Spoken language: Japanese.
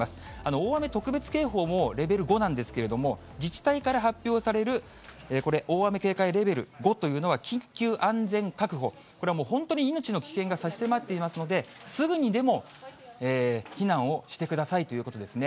大雨特別警報もレベル５なんですけれども、自治体から発表される、これ、大雨警戒レベル５というのは、緊急安全確保、これはもう本当に命の危険が差し迫っていますので、すぐにでも避難をしてくださいということですね。